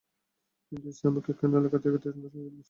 কিন্তু ইসি আমাকে কেন এলাকা ত্যাগের নোটিশ দিল, বুঝতে পারছি না।